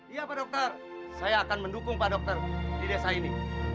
iya pak dokter saya akan mendukung pak dokter di desa ini